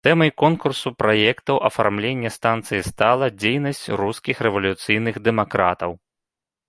Тэмай конкурсу праектаў афармлення станцыі стала дзейнасць рускіх рэвалюцыйных дэмакратаў.